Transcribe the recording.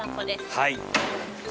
はい。